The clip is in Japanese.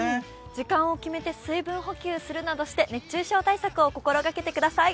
時間を決めて水分補給するなどして熱中対策を心掛けてください。